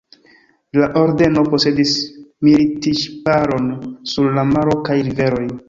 La ordeno posedis militŝiparon sur la maro kaj riveroj.